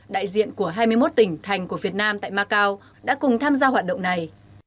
đại diện của hai mươi một tỉnh thành của việt nam tại macau đã cùng tham gia hoạt động này